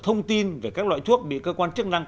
thông tin về các loại thuốc bị cơ quan chức năng